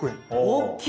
大きい！